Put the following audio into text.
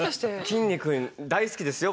きんに君大好きですよ